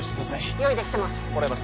用意できてます